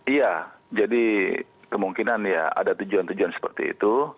iya jadi kemungkinan ya ada tujuan tujuan seperti itu